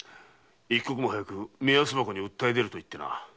一刻も早く目安箱に訴え出ると言ってな。